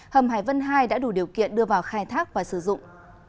hầm hải vân hai đã đủ điều kiện đưa vào khai thác và sử dụng